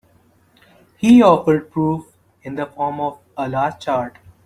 He offered proof in the form of a large chart.